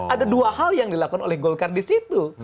ada dua hal yang dilakukan oleh golkar di situ